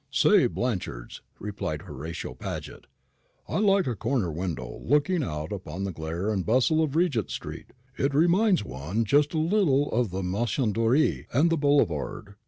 "Say Blanchard's," replied Horatio Paget. "I like a corner window, looking out upon the glare and bustle of Regent street. It reminds one just a little of the Maison Dorée and the boulevard.